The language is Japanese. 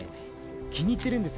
気に入ってるんです。